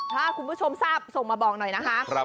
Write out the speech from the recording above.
ถ้าคุณผู้ชมทราบส่งมาบอกหน่อยนะคะ